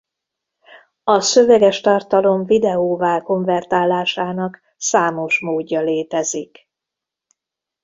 A szöveges tartalom videóvá konvertálásának számos módja létezik.